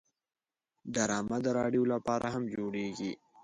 ډرامه د رادیو لپاره هم جوړیږي